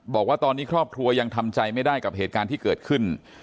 บอกว่าตอนนี้ครอบครัวยังทำใจไม่ได้กับเหตุการณ์ที่เกิดขึ้น